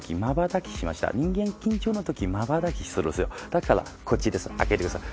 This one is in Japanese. だからこっちです開けてください。